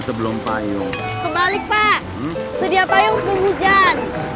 kebalik pak sedia payung sebelum hujan